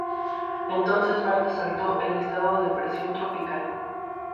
Entonces Martha saltó el estado de depresión tropical.